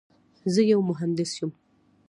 زه یو مهندس یم.